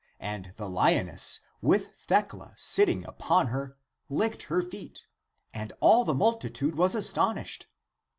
And the lioness, with Thecla sitting upon her, licked her feet ; and all the multitude was astonished.